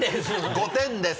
５点です。